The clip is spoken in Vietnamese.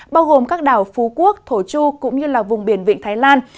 bao gồm các đảo phú quốc thổ chu cũng như vùng biển viện thái lan